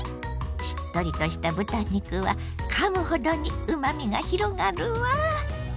しっとりとした豚肉はかむほどにうまみが広がるわ。